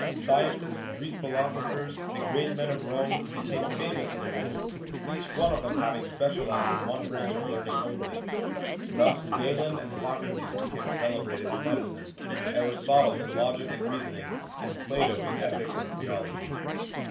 Scientists, Greek philosophers, the great men of Rome, became famous in the world, each one of them having special ised in one branch of learning only. Thus Galen and Hippocrates became celebrated in medicine, Aristotle in logic and reasoning, and Plato in ethics and theology.